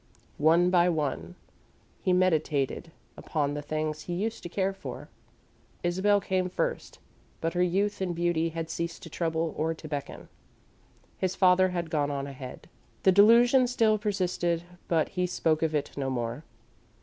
One by one, he meditated upon the things he used to care for. Isabel came first, but her youth and beauty had ceased to trouble or to beckon. His father had gone on ahead. The delusion still persisted, but he spoke of it no more.